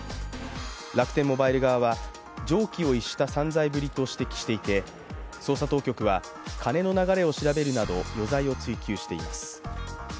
楽天モバイル側は常軌を逸した散財ぶりと指摘していて捜査当局は金の流れを調べるなど、余罪を追及しています。